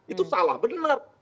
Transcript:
itu salah bener